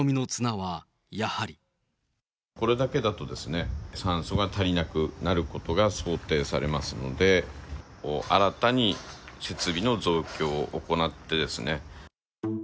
これだけだと、酸素が足りなくなることが想定されますので、新たに設備の増強を行ってですね。